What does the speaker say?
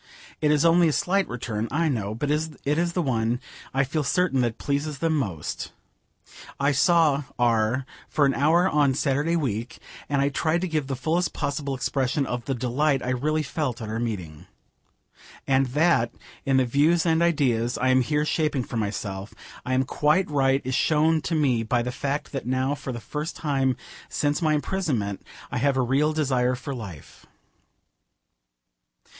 It is only a slight return, I know, but it is the one, I feel certain, that pleases them most. I saw R for an hour on Saturday week, and I tried to give the fullest possible expression of the delight I really felt at our meeting. And that, in the views and ideas I am here shaping for myself, I am quite right is shown to me by the fact that now for the first time since my imprisonment I have a real desire for life.